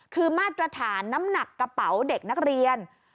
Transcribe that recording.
คือมาตรฐานน้ำหนักกระเป๋าเด็กนักเรียน